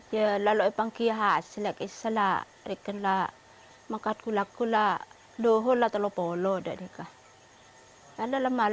jarang ada yang berpengalaman